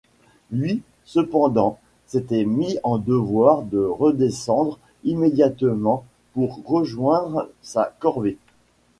Lui, cependant, s’était mis en devoir de redescendre immédiatement pour rejoindre sa corvée.